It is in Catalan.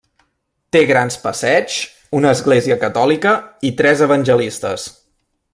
Té grans passeigs, una església catòlica, i tres evangelistes.